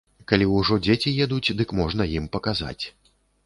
Калі ўжо дзеці едуць, дык можна ім паказаць.